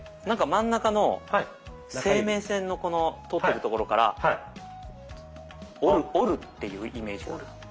なんか真ん中の生命線のこの通ってるところから折る折るっていうイメージかな。